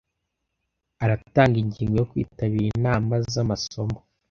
Aratanga ingingo yo kwitabira inama zamasomo.